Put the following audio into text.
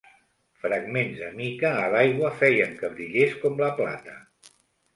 Fragments de mica a l'aigua feien que brillés com la plata.